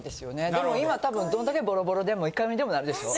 でも今多分どんだけボロボロでもいくらにでもなるでしょ？